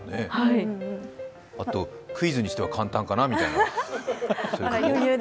あと、クイズにしては簡単かなみたいな。